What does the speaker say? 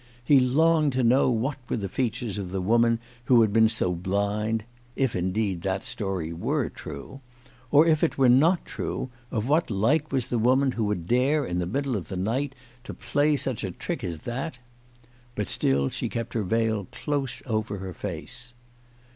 He longed to know what were the features of the woman who had been so blind if indeed that story were true. Or if it were not true, of what like was the woman who would dare in the middle of the night to play such a trick as that ? But still she kept her veil close over her face.